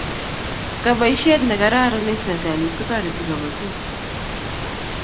kabaishiet ne kararan eng serekalit kotareti kabatik